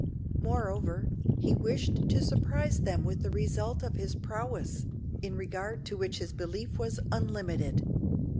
Moreover, he wished to surprise them with the result of his prowess in regard to which his belief was unlimited.